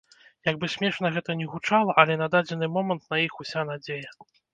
Як бы смешна гэта не гучала, але на дадзены момант на іх уся надзея.